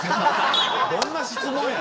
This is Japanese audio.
どんな質問や！